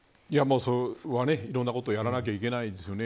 それはいろんなことをやらなければいけないですよね。